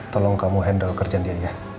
tolong kamu handle kerja dia ya